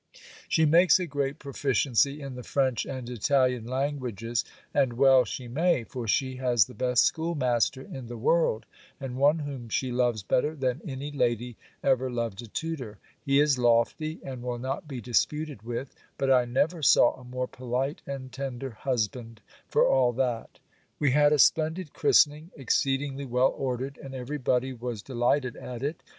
She makes a great proficiency in the French and Italian languages; and well she may; for she has the best schoolmaster in the world, and one whom she loves better than any lady ever loved a tutor. He is lofty, and will not be disputed with; but I never saw a more polite and tender husband, for all that. We had a splendid christening, exceedingly well ordered, and every body was delighted at it.